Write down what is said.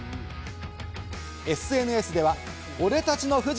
ＳＮＳでは俺たちのフジ！